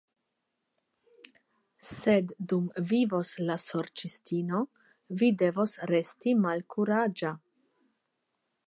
Sed dum vivos la Sorĉistino vi devos resti malkuraĝa.